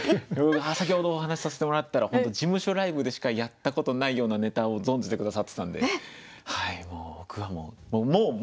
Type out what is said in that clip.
先ほどお話しさせてもらったら本当事務所ライブでしかやったことないようなネタを存じて下さってたので僕はもうおなかいっぱいです。